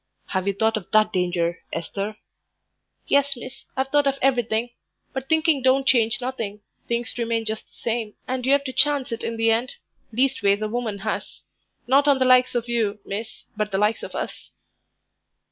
"Have you thought of that danger, Esther?" "Yes, miss, I've thought of everything; but thinking don't change nothing. Things remain just the same, and you've to chance it in the end leastways a woman has. Not on the likes of you, miss, but the likes of us."